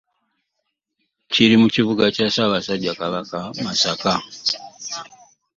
Kiri mu kibuga kya Ssaabasajja Kabaka Masaka